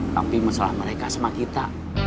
tapi masalah mereka sama kita